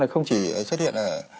không chỉ xuất hiện